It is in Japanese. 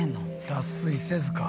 脱水せずか。